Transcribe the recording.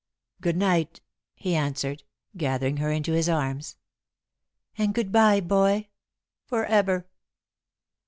"Good night," he answered, gathering her into his arms. "And good bye, Boy, forever!"